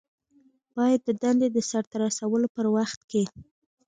باید د دندې د ترسره کولو په وخت کې